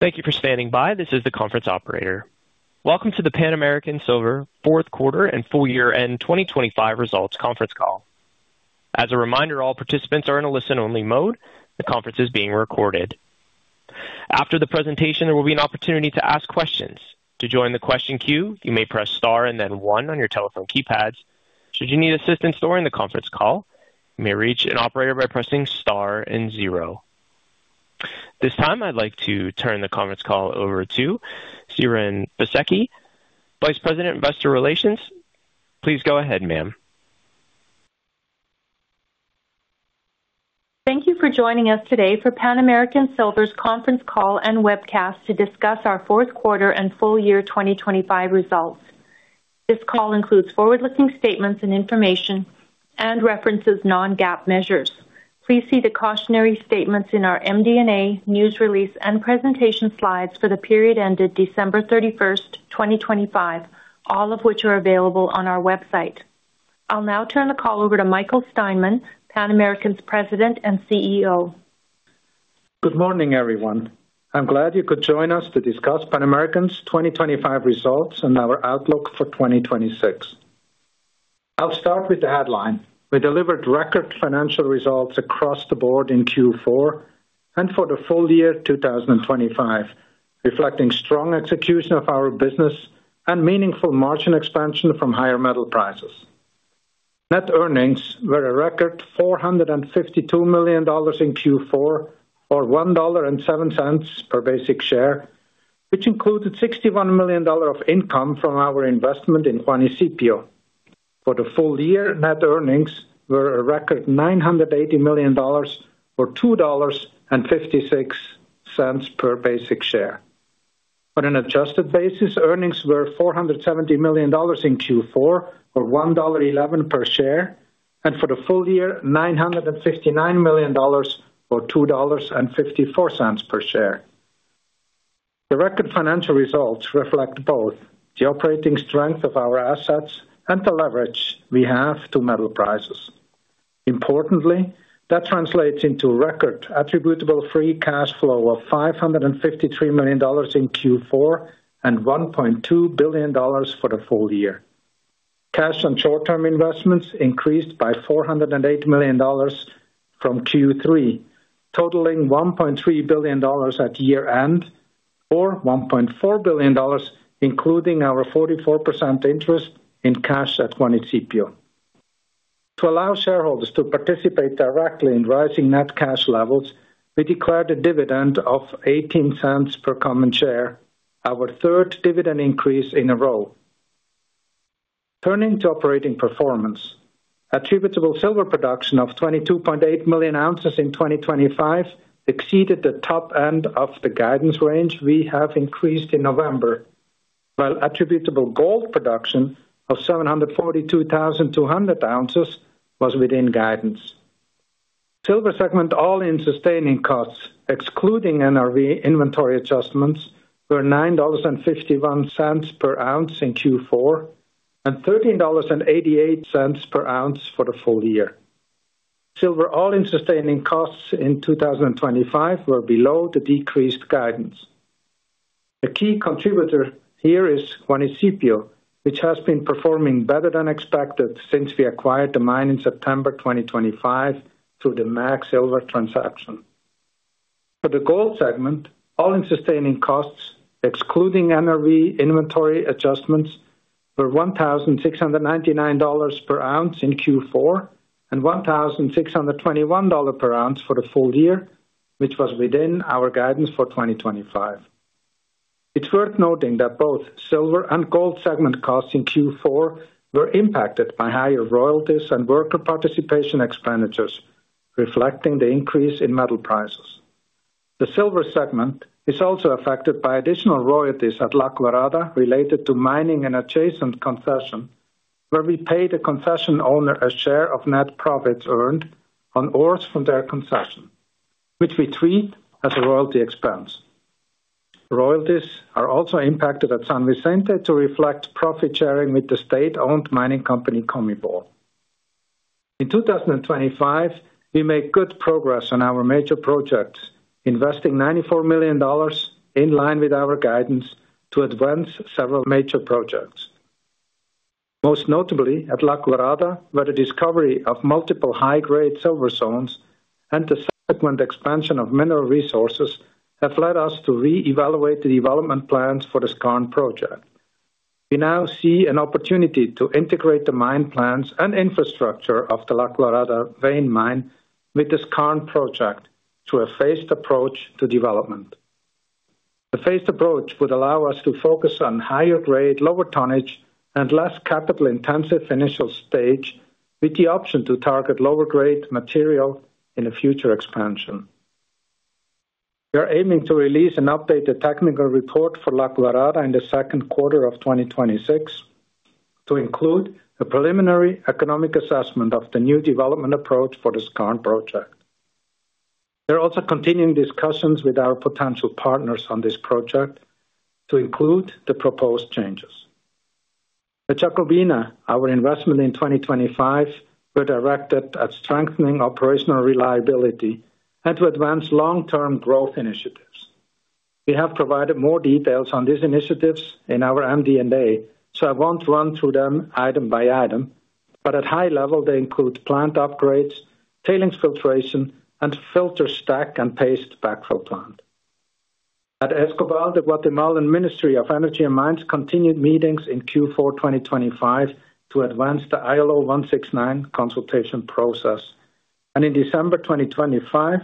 Thank you for standing by. This is the conference operator. Welcome to the Pan American Silver Fourth Quarter and Full Year End 2025 Results Conference Call. As a reminder, all participants are in a listen-only mode. The conference is being recorded. After the presentation, there will be an opportunity to ask questions. To join the question queue, you may press star and then one on your telephone keypad. Should you need assistance during the conference call, you may reach an operator by pressing star and zero. This time, I'd like to turn the conference call over to Siren Fisekci, Vice President, Investor Relations. Please go ahead, ma'am. Thank you for joining us today for Pan American Silver's conference call and webcast to discuss our fourth quarter and full year 2025 results. This call includes forward-looking statements and information and references non-GAAP measures. Please see the cautionary statements in our MD&A news release and presentation slides for the period ended December 31st, 2025, all of which are available on our website. I'll now turn the call over to Michael Steinmann, Pan American's President and CEO. Good morning, everyone. I'm glad you could join us to discuss Pan American's 2025 results and our outlook for 2026. I'll start with the headline. We delivered record financial results across the board in Q4 and for the full year 2025, reflecting strong execution of our business and meaningful margin expansion from higher metal prices. Net earnings were a record $452 million in Q4, or $1.07 per basic share, which included $61 million of income from our investment in Juanicipio. For the full year, net earnings were a record $980 million, or $2.56 per basic share. On an adjusted basis, earnings were $470 million in Q4, or $1.11 per share, and for the full year, $959 million, or $2.54 per share. The record financial results reflect both the operating strength of our assets and the leverage we have to metal prices. Importantly, that translates into record attributable free cash flow of $553 million in Q4 and $1.2 billion for the full year. Cash and short-term investments increased by $408 million from Q3, totaling $1.3 billion at year-end, or $1.4 billion, including our 44% interest in cash at Juanicipio. To allow shareholders to participate directly in rising net cash levels, we declared a dividend of $0.18 per common share, our third dividend increase in a row. Turning to operating performance. Attributable silver production of 22.8 million ounces in 2025 exceeded the top end of the guidance range we have increased in November, while attributable gold production of 742,200 ounces was within guidance. Silver segment all-in sustaining costs, excluding NRV inventory adjustments, were $9.51 per ounce in Q4 and $13.88 per ounce for the full year. Silver all-in sustaining costs in 2025 were below the decreased guidance. A key contributor here is Juanicipio, which has been performing better than expected since we acquired the mine in September 2025 through the MAG Silver transaction. For the gold segment, all-in sustaining costs, excluding NRV inventory adjustments, were $1,699 per ounce in Q4 and $1,621 per ounce for the full year, which was within our guidance for 2025. It's worth noting that both silver and gold segment costs in Q4 were impacted by higher royalties and worker participation expenditures, reflecting the increase in metal prices. The silver segment is also affected by additional royalties at La Colorada, related to mining an adjacent concession, where we pay the concession owner a share of net profits earned on ores from their concession, which we treat as a royalty expense. Royalties are also impacted at San Vicente to reflect profit sharing with the state-owned mining company, COMIBOL. In 2025, we made good progress on our major projects, investing $94 million in line with our guidance to advance several major projects. Most notably at La Colorada, where the discovery of multiple high-grade silver zones and the subsequent expansion of mineral resources have led us to reevaluate the development plans for the Skarn project. We now see an opportunity to integrate the mine plans and infrastructure of the La Colorada vein mine with the Skarn project through a phased approach to development. The phased approach would allow us to focus on higher grade, lower tonnage, and less capital-intensive initial stage, with the option to target lower grade material in a future expansion. We are aiming to release an updated technical report for La Colorada in the second quarter of 2026 to include a preliminary economic assessment of the new development approach for the Skarn project. We're also continuing discussions with our potential partners on this project to include the proposed changes. At Jacobina, our investment in 2025 were directed at strengthening operational reliability and to advance long-term growth initiatives. We have provided more details on these initiatives in our MD&A, so I won't run through them item by item, but at high level, they include plant upgrades, tailings filtration, and filter stack and paste backfill plant. At Escobal, the Guatemalan Ministry of Energy and Mines continued meetings in Q4 2025 to advance the ILO 169 consultation process, and in December 2025,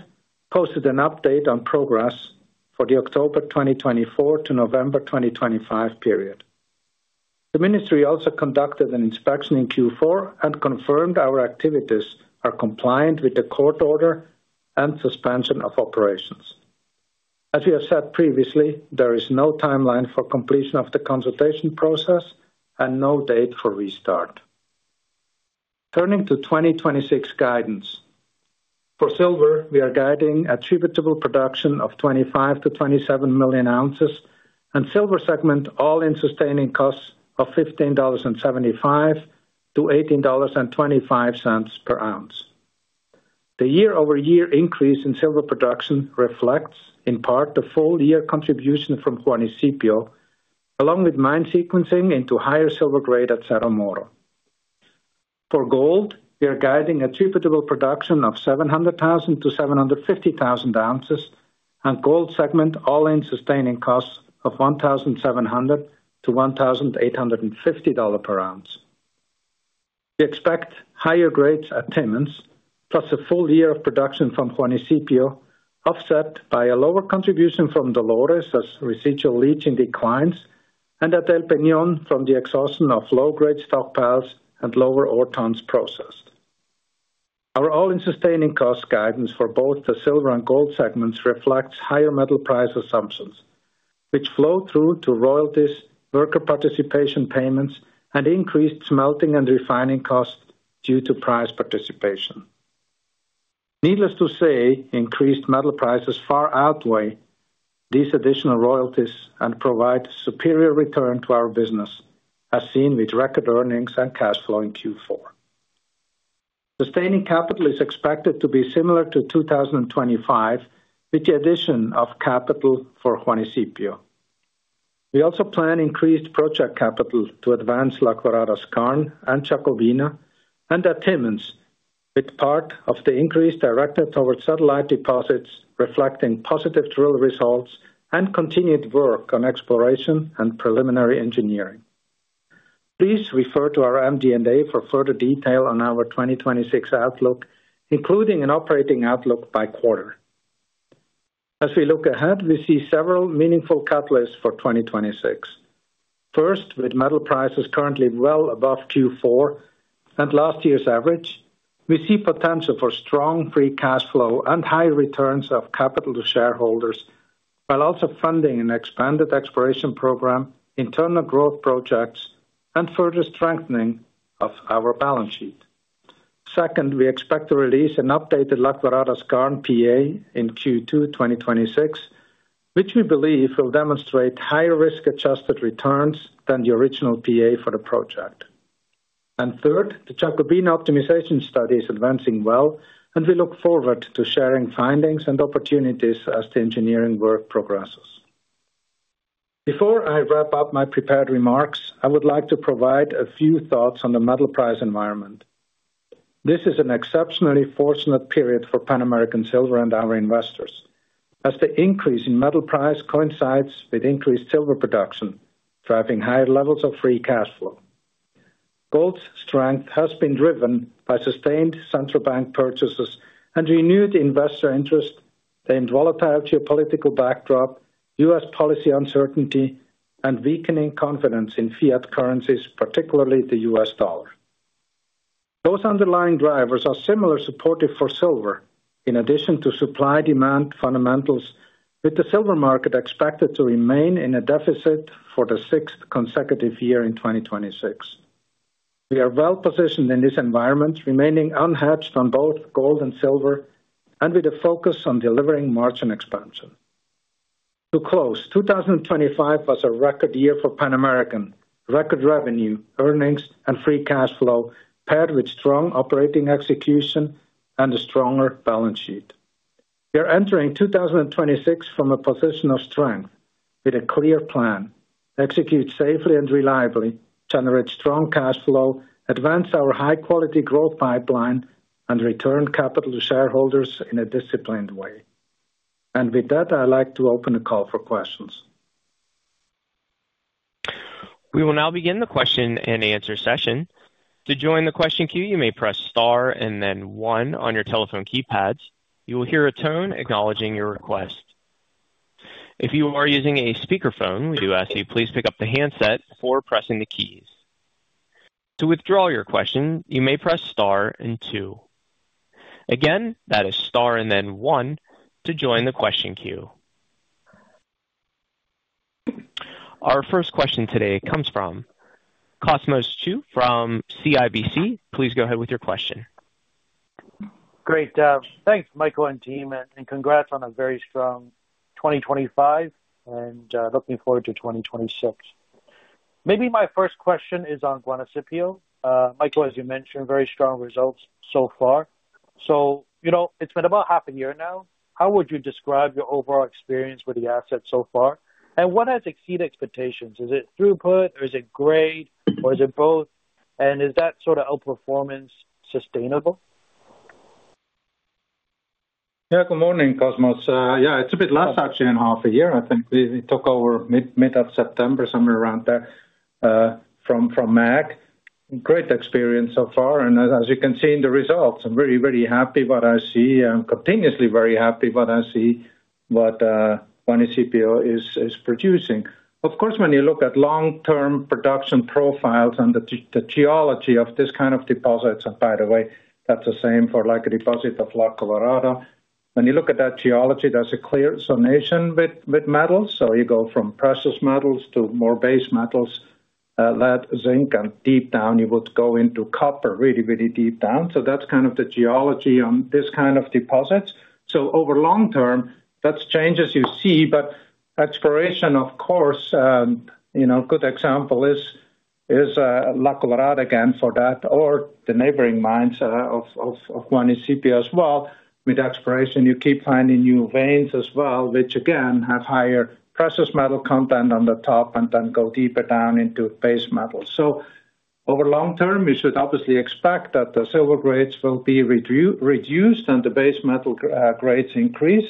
posted an update on progress for the October 2024 to November 2025 period. The ministry also conducted an inspection in Q4 and confirmed our activities are compliant with the court order and suspension of operations. As we have said previously, there is no timeline for completion of the consultation process and no date for restart. Turning to 2026 guidance. For silver, we are guiding attributable production of 25-27 million ounces, and silver segment all-in sustaining costs of $15.75-$18.25 per ounce. The year-over-year increase in silver production reflects, in part, the full year contribution from Juanicipio, along with mine sequencing into higher silver grade at Cerro Moro. For gold, we are guiding attributable production of 700,000-750,000 ounces and gold segment all-in sustaining costs of $1,700-$1,850 per ounce. We expect higher grades at Timmins, plus a full year of production from Juanicipio, offset by a lower contribution from Dolores as residual leaching declines and at El Peñon from the exhaustion of low-grade stockpiles and lower ore tons processed. Our all-in sustaining cost guidance for both the silver and gold segments reflects higher metal price assumptions, which flow through to royalties, worker participation payments, and increased smelting and refining costs due to price participation. Needless to say, increased metal prices far outweigh these additional royalties and provide superior return to our business, as seen with record earnings and cash flow in Q4. Sustaining capital is expected to be similar to 2025, with the addition of capital for Juanicipio. We also plan increased project capital to advance La Colorada Skarn and Jacobina and advancement, with part of the increase directed towards satellite deposits, reflecting positive drill results and continued work on exploration and preliminary engineering. Please refer to our MD&A for further detail on our 2026 outlook, including an operating outlook by quarter. As we look ahead, we see several meaningful catalysts for 2026. First, with metal prices currently well above Q4 and last year's average, we see potential for strong free cash flow and high returns of capital to shareholders, while also funding an expanded exploration program, internal growth projects, and further strengthening of our balance sheet. Second, we expect to release an updated La Colorada Skarn PEA in Q2 2026, which we believe will demonstrate higher risk-adjusted returns than the original PEA for the project. And third, the Jacobina optimization study is advancing well, and we look forward to sharing findings and opportunities as the engineering work progresses. Before I wrap up my prepared remarks, I would like to provide a few thoughts on the metal price environment. This is an exceptionally fortunate period for Pan American Silver and our investors, as the increase in metal price coincides with increased silver production, driving higher levels of free cash flow. Gold's strength has been driven by sustained central bank purchases and renewed investor interest in volatile geopolitical backdrop, U.S. policy uncertainty, and weakening confidence in fiat currencies, particularly the U.S. dollar. Those underlying drivers are similarly supportive for silver, in addition to supply-demand fundamentals, with the silver market expected to remain in a deficit for the sixth consecutive year in 2026. We are well positioned in this environment, remaining unhedged on both gold and silver and with a focus on delivering margin expansion. To close, 2025 was a record year for Pan American. Record revenue, earnings, and free cash flow, paired with strong operating execution and a stronger balance sheet. We are entering 2026 from a position of strength with a clear plan: execute safely and reliably, generate strong cash flow, advance our high-quality growth pipeline, and return capital to shareholders in a disciplined way. With that, I'd like to open the call for questions. We will now begin the question-and-answer session. To join the question queue, you may press star and then one on your telephone keypads. You will hear a tone acknowledging your request. If you are using a speakerphone, we do ask you please pick up the handset before pressing the keys. To withdraw your question, you may press star and two. Again, that is star and then one to join the question queue. Our first question today comes from Cosmos Chiu from CIBC. Please go ahead with your question. Great. Thanks, Michael and team, and congrats on a very strong 2025, and looking forward to 2026. Maybe my first question is on Juanicipio. Michael, as you mentioned, very strong results so far. So, you know, it's been about half a year now, how would you describe your overall experience with the asset so far, and what has exceeded expectations? Is it throughput, or is it grade, or is it both? And is that sort of outperformance sustainable? Yeah, good morning, Cosmos. Yeah, it's a bit less actually than half a year. I think we took over mid of September, somewhere around there, from MAG. Great experience so far, and as you can see in the results, I'm very, very happy what I see. I'm continuously very happy what I see, what Juanicipio is producing. Of course, when you look at long-term production profiles and the geology of this kind of deposits, and by the way, that's the same for like a deposit of La Colorada. When you look at that geology, there's a clear zonation with metals. So you go from precious metals to more base metals, lead, zinc, and deep down you would go into copper, really, really deep down. So that's kind of the geology on this kind of deposits. So over long term, that's changes you see, but exploration, of course, you know, good example is La Colorada again for that, or the neighboring mines of Juanicipio as well. With exploration, you keep finding new veins as well, which again, have higher precious metal content on the top and then go deeper down into base metal. So over long term, you should obviously expect that the silver grades will be reduced and the base metal grades increase.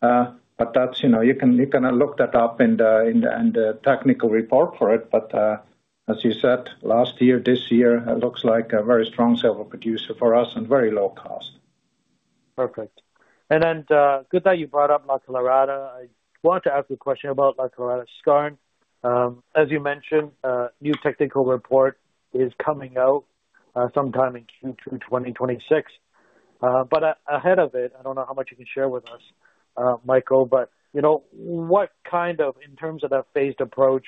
But that's, you know, you can look that up in the technical report for it. But as you said, last year, this year, it looks like a very strong silver producer for us and very low cost. Perfect. And then, good that you brought up La Colorada. I want to ask a question about La Colorada Skarn. As you mentioned, a new technical report is coming out sometime in Q2 2026. But ahead of it, I don't know how much you can share with us, Michael, but, you know, what kind of, in terms of that phased approach,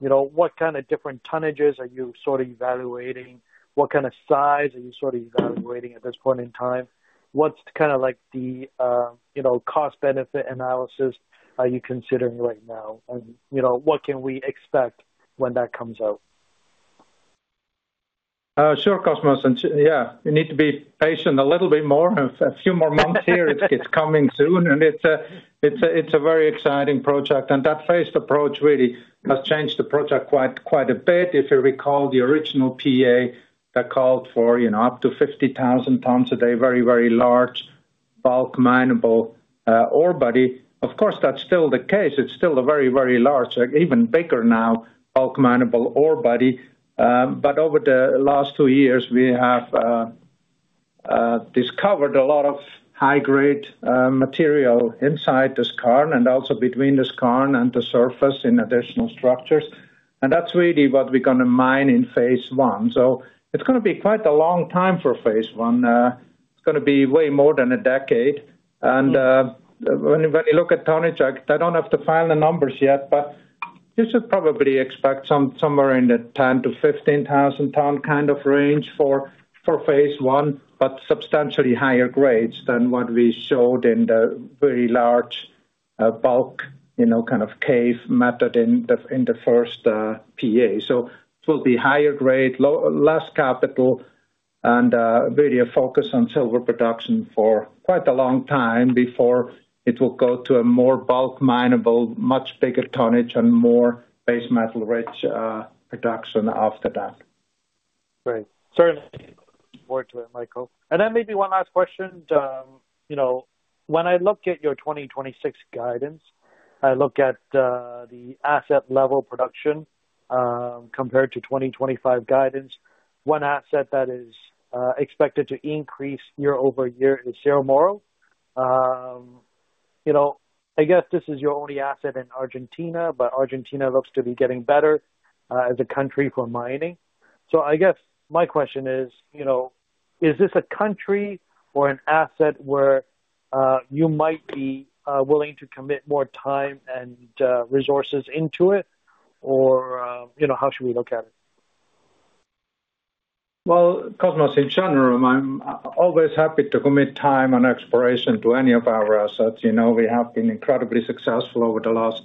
you know, what kind of different tonnages are you sort of evaluating? What kind of size are you sort of evaluating at this point in time? What's kind of like the, you know, cost-benefit analysis are you considering right now? And, you know, what can we expect when that comes out? Sure, Cosmos, and yeah, you need to be patient a little bit more. A few more months here. It's coming soon, and it's a very exciting project. And that phased approach really has changed the project quite a bit. If you recall, the original PE called for, you know, up to 50,000 tons a day, very, very large bulk minable ore body. Of course, that's still the case. It's still a very, very large, even bigger now, bulk minable ore body. But over the last two years, we have discovered a lot of high-grade material inside the Skarn and also between the Skarn and the surface in additional structures. And that's really what we're gonna mine in Phase 1. So it's gonna be quite a long time for Phase 1. It's gonna be way more than a decade. And, when you look at tonnage, I don't have to file the numbers yet, but you should probably expect somewhere in the 10,000-15,000 ton kind of range for phase one, but substantially higher grades than what we showed in the very large, bulk, you know, kind of cave method in the first PA. So it will be higher grade, less capital, and really a focus on silver production for quite a long time before it will go to a more bulk minable, much bigger tonnage and more base metal-rich production after that. Great. Certainly look forward to it, Michael. And then maybe one last question, you know, when I look at your 2026 guidance, I look at the asset level production compared to 2025 guidance. One asset that is expected to increase year-over-year is Cerro Moro. You know, I guess this is your only asset in Argentina, but Argentina looks to be getting better as a country for mining. So I guess my question is, you know, is this a country or an asset where you might be willing to commit more time and resources into it? Or, you know, how should we look at it? Well, Cosmos, in general, I'm always happy to commit time and exploration to any of our assets. You know, we have been incredibly successful over the last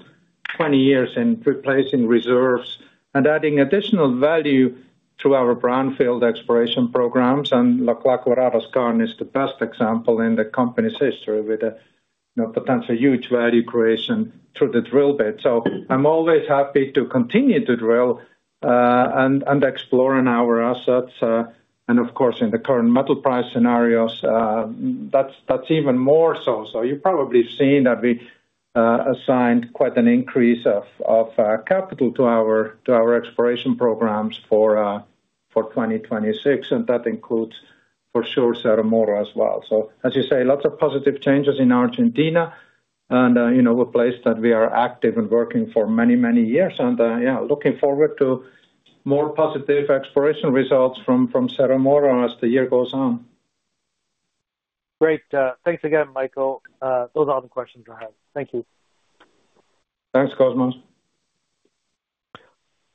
20 years in replacing reserves and adding additional value to our brownfield exploration programs, and La Colorada Skarn is the best example in the company's history with a, you know, potentially huge value creation through the drill bit. So I'm always happy to continue to drill, and explore in our assets, and of course, in the current metal price scenarios, that's even more so. So you've probably seen that we assigned quite an increase of capital to our exploration programs for 2026, and that includes, for sure, Cerro Moro as well. So as you say, lots of positive changes in Argentina and, you know, a place that we are active and working for many, many years. And, yeah, looking forward to more positive exploration results from Cerro Moro as the year goes on. Great. Thanks again, Michael. Those are all the questions I have. Thank you. Thanks, Cosmos.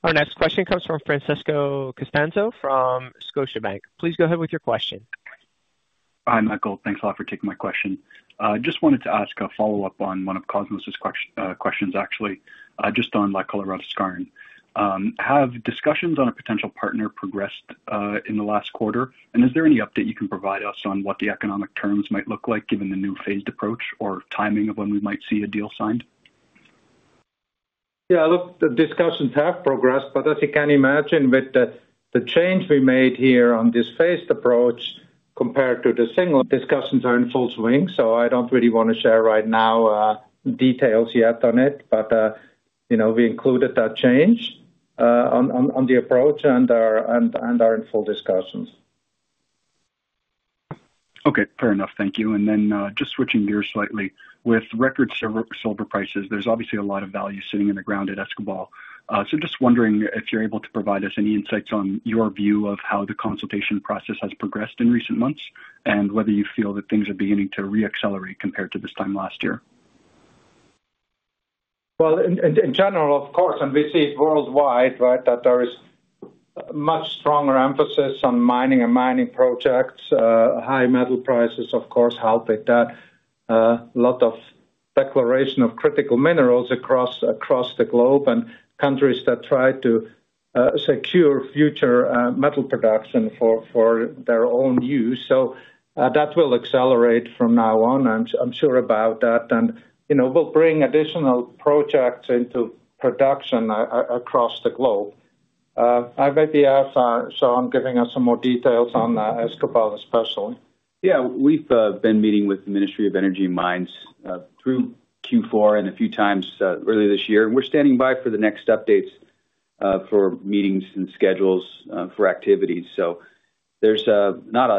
Our next question comes from Francesco Costanzo from Scotiabank. Please go ahead with your question. Hi, Michael. Thanks a lot for taking my question. Just wanted to ask a follow-up on one of Cosmos' questions, actually, just on like La Colorada Skarn. Have discussions on a potential partner progressed in the last quarter? And is there any update you can provide us on what the economic terms might look like, given the new phased approach or timing of when we might see a deal signed? Yeah, look, the discussions have progressed, but as you can imagine, with the change we made here on this phased approach compared to the single, discussions are in full swing, so I don't really want to share right now, details yet on it. But, you know, we included that change on the approach and are in full discussions. Okay, fair enough. Thank you. And then, just switching gears slightly. With record silver, silver prices, there's obviously a lot of value sitting in the ground at Escobal. So just wondering if you're able to provide us any insights on your view of how the consultation process has progressed in recent months, and whether you feel that things are beginning to re-accelerate compared to this time last year? Well, in general, of course, and we see it worldwide, right, that there is much stronger emphasis on mining and mining projects. High metal prices, of course, help with that. A lot of declaration of critical minerals across the globe, and countries that try to secure future metal production for their own use. So, that will accelerate from now on, I'm sure about that. And, you know, we'll bring additional projects into production across the globe. I might ask Sean giving us some more details on the Escobal, especially. Yeah, we've been meeting with the Ministry of Energy and Mines through Q4 and a few times earlier this year, and we're standing by for the next updates for meetings and schedules for activities. So there's not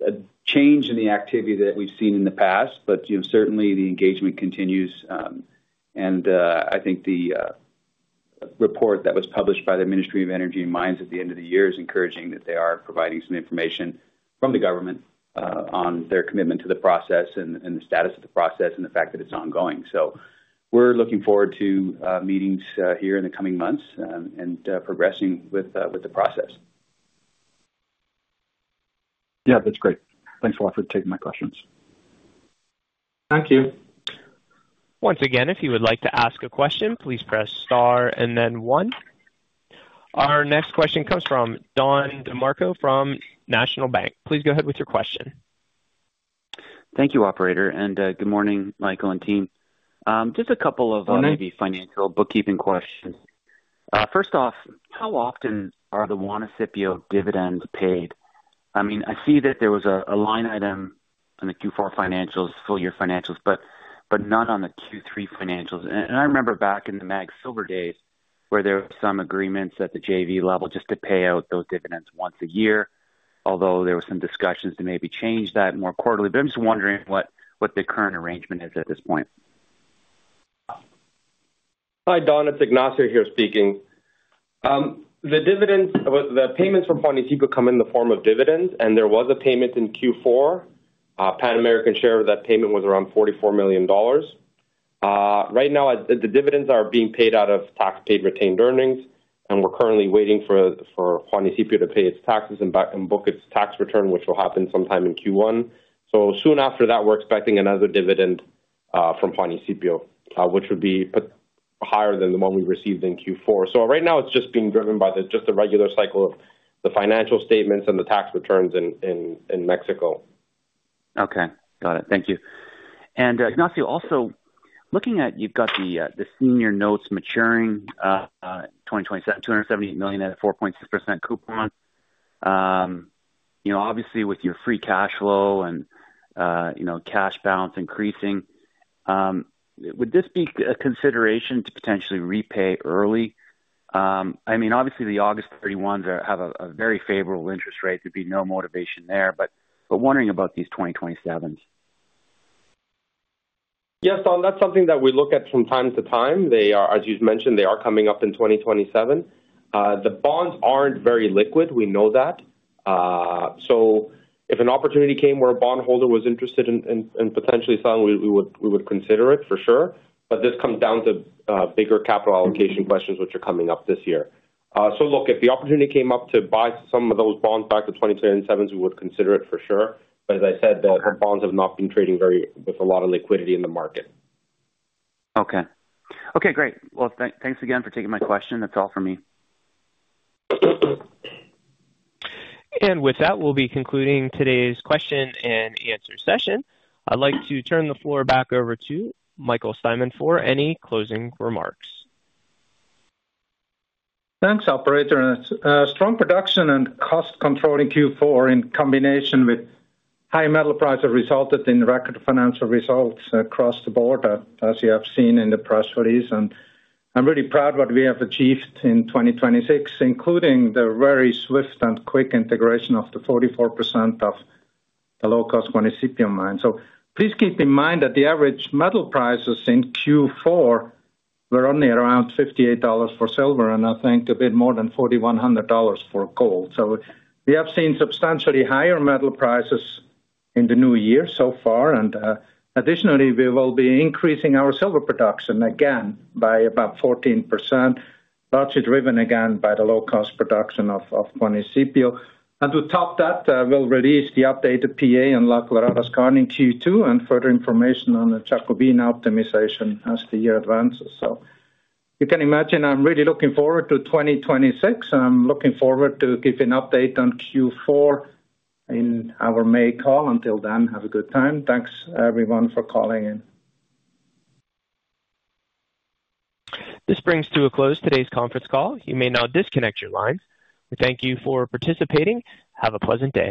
a change in the activity that we've seen in the past, but you know, certainly the engagement continues. And I think the report that was published by the Ministry of Energy and Mines at the end of the year is encouraging, that they are providing some information from the government on their commitment to the process and the status of the process and the fact that it's ongoing. So we're looking forward to meetings here in the coming months, and progressing with the process. Yeah, that's great. Thanks a lot for taking my questions. Thank you. Once again, if you would like to ask a question, please press star and then one. Our next question comes from Don DeMarco from National Bank. Please go ahead with your question. Thank you, operator, and good morning, Michael and team. Just a couple of maybe financial bookkeeping questions. First off, how often are the Juanicipio dividends paid? I mean, I see that there was a line item on the Q4 financials, full year financials, but not on the Q3 financials. And I remember back in the MAG Silver days, where there were some agreements at the JV level just to pay out those dividends once a year, although there were some discussions to maybe change that more quarterly. But I'm just wondering what the current arrangement is at this point. Hi, Don, it's Ignacio here speaking. The dividends, well, the payments from Juanicipio come in the form of dividends, and there was a payment in Q4. Pan American's share of that payment was around $44 million. Right now, the dividends are being paid out of tax paid retained earnings, and we're currently waiting for Juanicipio to pay its taxes and back, and book its tax return, which will happen sometime in Q1. So soon after that, we're expecting another dividend from Juanicipio, which would be put higher than the one we received in Q4. So right now, it's just being driven by just the regular cycle of the financial statements and the tax returns in Mexico. Okay. Got it. Thank you. And, Ignacio, also, looking at you've got the senior notes maturing 2027, $278 million at a 4.6% coupon. You know, obviously with your free cash flow and, you know, cash balance increasing, would this be a consideration to potentially repay early? I mean, obviously the August 2031s have a very favorable interest rate, there'd be no motivation there, but wondering about these 2027s. Yes, Don, that's something that we look at from time to time. They are... As you've mentioned, they are coming up in 2027. The bonds aren't very liquid, we know that. So if an opportunity came where a bondholder was interested in potentially selling, we would consider it for sure, but this comes down to bigger capital allocation questions which are coming up this year. So look, if the opportunity came up to buy some of those bonds back to 2027s, we would consider it for sure. But as I said, the bonds have not been trading very, with a lot of liquidity in the market. Okay. Okay, great. Well, thanks again for taking my question. That's all for me. With that, we'll be concluding today's question-and-answer session. I'd like to turn the floor back over to Michael Steinmann for any closing remarks. Thanks, operator. Strong production and cost control in Q4, in combination with high metal prices, resulted in record financial results across the board, as you have seen in the press release. And I'm really proud what we have achieved in 2026, including the very swift and quick integration of the 44% of the low-cost Juanicipio mine. So please keep in mind that the average metal prices in Q4 were only around $58 for silver, and I think a bit more than $4,100 for gold. So we have seen substantially higher metal prices in the new year so far, and, additionally, we will be increasing our silver production again by about 14%, largely driven again by the low-cost production of Juanicipio. To top that, we'll release the updated PEA on La Colorada Skarn in Q2, and further information on the Jacobina optimization as the year advances. So you can imagine, I'm really looking forward to 2026, and I'm looking forward to giving an update on Q4 in our May call. Until then, have a good time. Thanks, everyone, for calling in. This brings to a close today's conference call. You may now disconnect your line. We thank you for participating. Have a pleasant day.